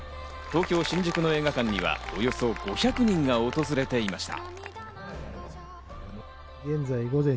東京・新宿の映画館にはおよそ５００人が訪れていました。